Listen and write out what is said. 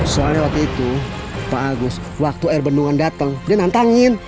soalnya waktu itu pak agus waktu air bendungan datang dia nantangin